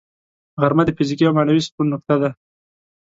غرمه د فزیکي او معنوي سکون نقطه ده